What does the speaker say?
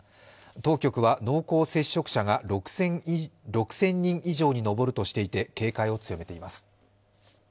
当局は濃厚接触者が６０００人以上に上るとしていて警戒を強めています。